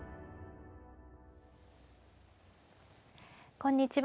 こんにちは。